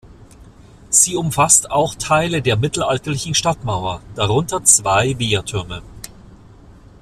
Sie umfasst auch Teile der mittelalterlichen Stadtmauer, darunter zwei Wehrtürme.